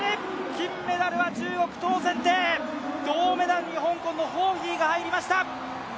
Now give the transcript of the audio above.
金メダルは中国、唐銭テイ銅メダルに香港のホーヒーが入りました。